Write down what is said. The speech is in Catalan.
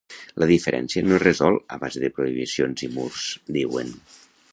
La diferència no es resol a base de prohibicions i murs –diuen–.